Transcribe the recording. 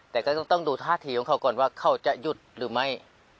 แต่ก็ต้องดูท่าทีของเขาก่อนว่าเขาจะหยุดหรือไม่